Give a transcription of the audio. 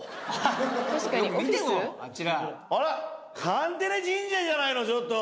カンテレ神社じゃないのちょっと。